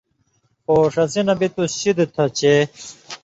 خو ݜسی نہ بِتُس شِدیۡ تھہ چے